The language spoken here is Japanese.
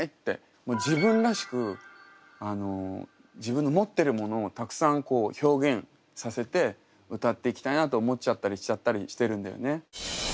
もう自分らしく自分の持ってるものをたくさん表現させて歌っていきたいなって思っちゃったりしちゃったりしてるんだよね。